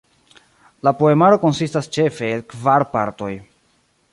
La poemaro konsistas ĉefe el kvar partoj.